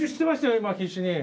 今、必死に。